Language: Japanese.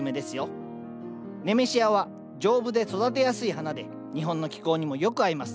ネメシアは丈夫で育てやすい花で日本の気候にもよく合います。